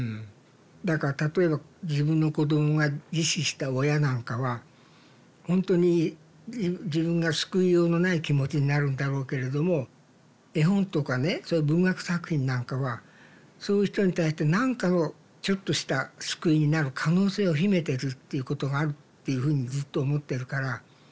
だから例えば自分の子供が自死した親なんかはほんとに自分が救いようのない気持ちになるんだろうけれども絵本とかねそういう文学作品なんかはそういう人に対して何かをちょっとした救いになる可能性を秘めてるっていうことがあるっていうふうにずっと思ってるから。